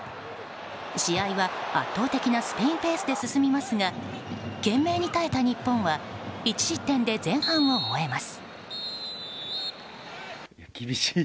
試合は圧倒的なスペインペースで進みますが懸命に耐えた日本は１失点で前半を終えます。